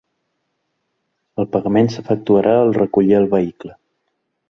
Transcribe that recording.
El pagament s'efectuarà al recollir el vehicle.